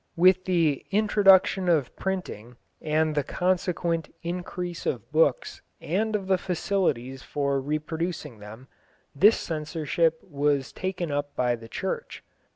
With the introduction of printing and the consequent increase of books and of the facilities for reproducing them this censorship was taken up by the Church.